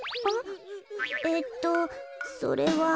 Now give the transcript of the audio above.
えっとそれは。